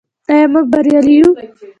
آیا موږ بریالي یو؟